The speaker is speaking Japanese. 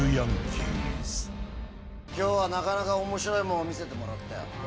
今日はなかなか面白いもんを見せてもらったよ。